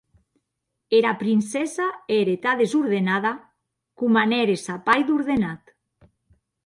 Era princessa ère tan desordenada, coma n’ère sa pair d’ordenat.